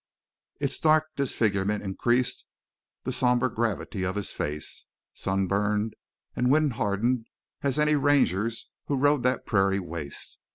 Its dark disfigurement increased the somber gravity of his face, sunburned and wind hardened as any ranger's who rode that prairie waste.